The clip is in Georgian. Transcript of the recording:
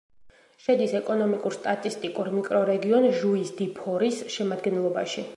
შედის ეკონომიკურ-სტატისტიკურ მიკრორეგიონ ჟუის-დი-ფორის შემადგენლობაში.